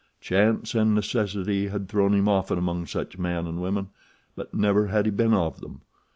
Chance and necessity had thrown him often among such men and women; but never had he been of them.